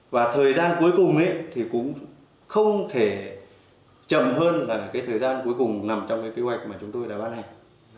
và thời gian cuối cùng ấy thì cũng không thể chậm hơn là cái thời gian cuối cùng nằm trong cái kế hoạch mà chúng tôi đã ban hành